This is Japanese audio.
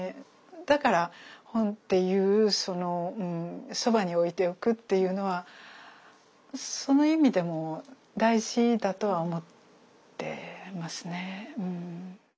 だから本っていうそのそばに置いておくっていうのはその意味でも大事だとは思ってますね。